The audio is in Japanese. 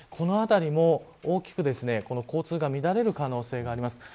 この辺りも大きく交通が乱れる可能性があります。